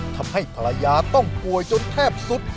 ทำให้ภรรยาต้องป่วยจนแทบสุด